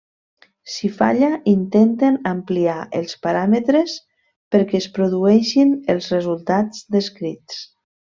Si falla intenten ampliar els paràmetres perquè es produeixin els resultats descrits.